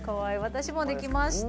私も出来ました。